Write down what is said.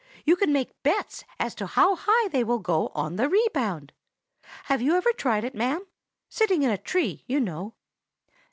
You can make bets as to how high they will go on the rebound. Have you ever tried it, ma'am? sitting in a tree, you know."